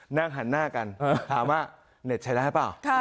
นั่งหันหน้ากันถามว่าเน็ตใช้ได้หรือเปล่า